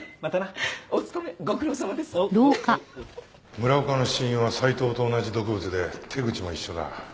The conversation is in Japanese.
村岡の死因は斎藤と同じ毒物で手口も一緒だ。